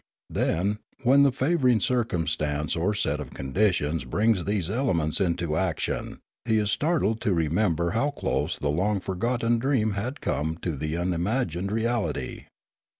Then, when the favouring circumstance or set of conditions brings these elements into action, he is startled to remember how close the long forgotten dream had come to the un imagined reality.